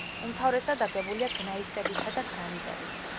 უმთავრესად აგებულია გნაისებითა და გრანიტებით.